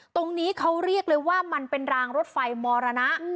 ตรงนี้เขาเรียกเลยว่ามันเป็นรางรถไฟมรณะ